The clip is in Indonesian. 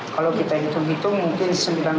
kalau kita hitung hitung mungkin sembilan puluh